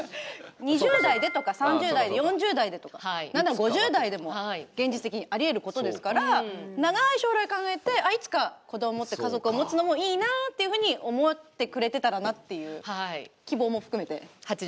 ２０代でとか、３０代で４０代でとかなんなら５０代でも現実的にあり得ることですから長い将来考えていつか子ども持って家族持つのもいいなっていうふうに思ってくれてたらなっていう希望も含めて。